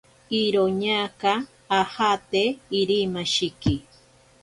Iroñaka ajate Irimashiki.